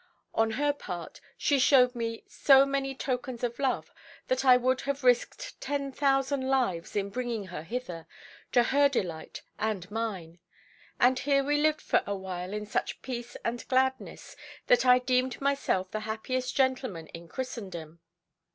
On her part, she showed me so many tokens of love that I would have risked ten thousand lives in bringing her hither, to her delight and mine. And here we lived for a while in such peace and gladness that I deemed myself the happiest gentleman in Christendom.